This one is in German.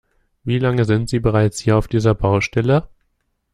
Wie lange sind sie bereits hier auf dieser Baustelle?